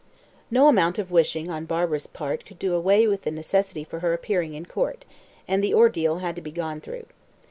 No amount of wishing on Barbara's part could do away with the necessity for her appearing in court, and the ordeal had to be gone through.